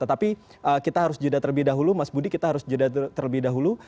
tapi kita harus juda terlebih dahulu mas budi kita harus juda terlebih dahulu